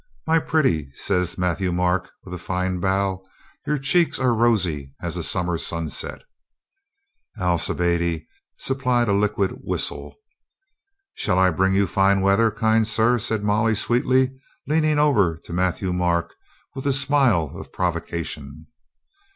"My pretty," said Matthieu Marc, with a fine bow, "your cheeks are rosy as a summer sunset." Alcibiade supplied a liquid whistle. "Shall I bring you fine weather, kind sir?" said Molly sweetly, leaning over to Matthieu Marc with a smile of provocation.